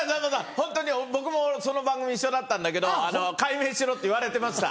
ホントに僕もその番組一緒だったんだけど改名しろって言われてました。